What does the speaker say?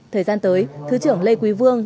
thời gian tới thứ trưởng lê quý vương